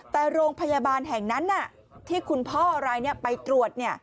แต่โรงพยาบาลแห่งนั้นที่คุณพ่อรายนี้ไปตรวจ